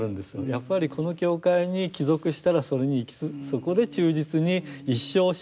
やっぱりこの教会に帰属したらそれにそこで忠実に一生信仰生活をすべきだと。